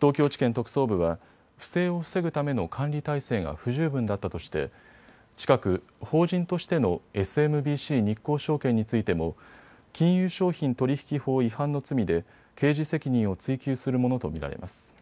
東京地検特捜部は不正を防ぐための管理体制が不十分だったとして近く法人としてのＳＭＢＣ日興証券についても金融商品取引法違反の罪で刑事責任を追及するものと見られます。